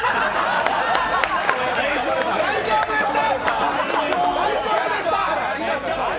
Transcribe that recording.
大丈夫でした！